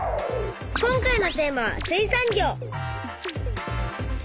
今回のテーマは「水産業」。